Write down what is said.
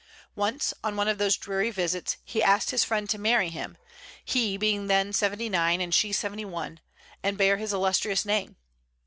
Once, on one of those dreary visits, he asked his friend to marry him, he being then seventy nine and she seventy one, and bear his illustrious name.